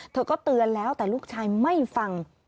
เธอก็เตือนแล้วแต่ลูกชายไม่ฟัง